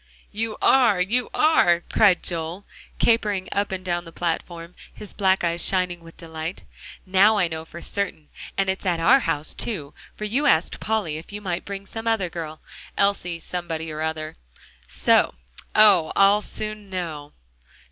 "You are you are," cried Joel, capering up and down the platform, his black eyes shining with delight. "Now I know for certain, and it's at our house, too, for you asked Polly if you might bring some other girl, Elsie somebody or other, so! Oh! I'll soon know."